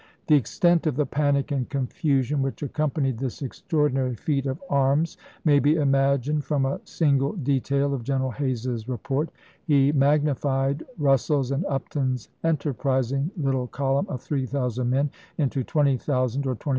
The ex tent of the panic and confusion which accompanied this extraordinary feat of arms may be imagined from a single detail of General Hays's report ; he magnified Eussell's and Upton's enterprising little column of 3000 men into " 20,000 or 25,000."